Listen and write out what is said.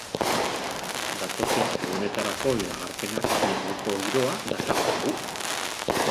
Datozen egunetarako iragarpenak neguko giroa dakarkigu.